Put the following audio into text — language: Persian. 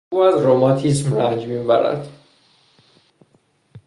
او از رماتیسم رنج میبرد.